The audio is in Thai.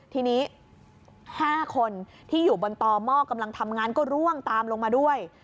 ทีนี้๕คนที่อยู่บนต่อหม้อกำลังทำงานก็ร่วงตามลงมาด้วย